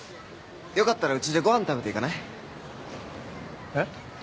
よかったらうちでごはん食べて行かない？え？